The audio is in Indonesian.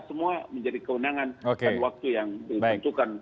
semua menjadi kewenangan dan waktu yang ditentukan